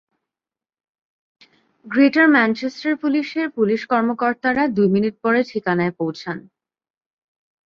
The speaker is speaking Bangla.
গ্রেটার ম্যানচেস্টার পুলিশের পুলিশ কর্মকর্তারা দুই মিনিট পরে ঠিকানায় পৌঁছান।